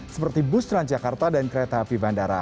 seperti bus transjakarta dan kereta api bandara